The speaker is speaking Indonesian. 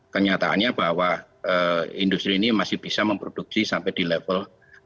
kenyataannya bahwa industri ini masih bisa memproduksi sampai di level